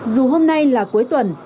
dù hôm nay là cuối tuần